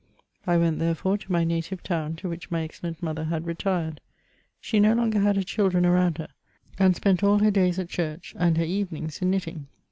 I went, therefore, to my native town, to which my excellent mother had retired ; she no longer had her children around her, and spent all her days at church and her evenings in knitting.